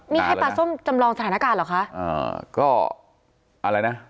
นี่ให้ปลาส้มจำลองสถานการณ์เหรอคะอ่าก็อะไรนะ